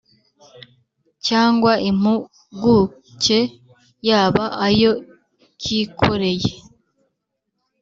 cyangwa impuguke yaba ayo kikoreye